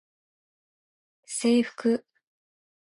制服